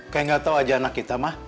kayak gak tau aja anak kita mah